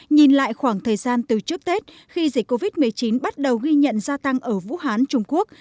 nhìn lại khoảng thời gian từ trước tết khi dịch covid một mươi chín bắt đầu ghi nhận gia tăng ở vũ hán trung quốc